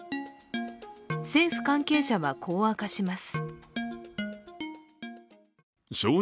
政府関係者はこう明かします。